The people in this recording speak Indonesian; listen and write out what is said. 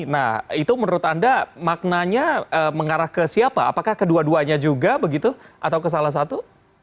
nah itu menurut anda maknanya mengarah ke siapa apakah kedua duanya juga begitu atau ke salah satu